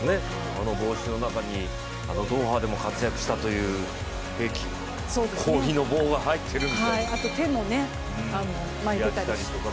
あの帽子の中にドーハでも活躍したという氷の棒が入っていたり。